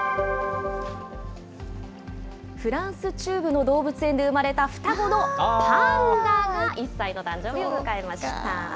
フランス中部の動物園で生まれた双子のパンダが、１歳の誕生日を迎えました。